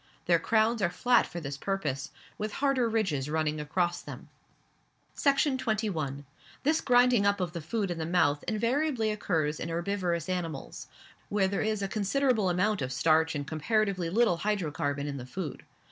Their crowns are flat for this purpose, with harder ridges running across them. Section 21. This grinding up of the food in the mouth invariably occurs in herbivorous animals, where there is a considerable amount of starch and comparatively little hydrocarbon in the food.